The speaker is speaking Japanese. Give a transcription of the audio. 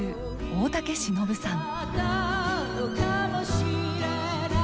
大竹しのぶさん。